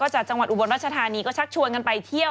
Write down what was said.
จากจังหวัดอุบลรัชธานีก็ชักชวนกันไปเที่ยว